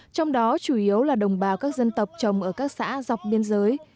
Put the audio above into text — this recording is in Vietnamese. trong đó chủ yếu là đồng bào các dân tộc trồng ở các xã dọc biên giới